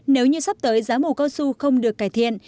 nếu như sắp tới giá mù cao su không được cải thiện